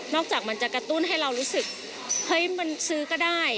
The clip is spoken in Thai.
จากมันจะกระตุ้นให้เรารู้สึกเฮ้ยมันซื้อก็ได้